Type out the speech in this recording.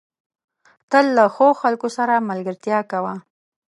تل له ښو خلکو سره ملګرتيا کوه.